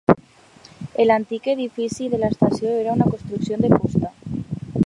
L'antic edifici de l'estació era una construcció de fusta.